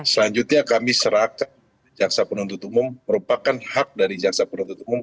selanjutnya kami serahkan jaksa penuntut umum merupakan hak dari jaksa penuntut umum